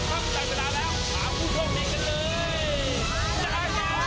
ตามผู้โชคดีกันเลย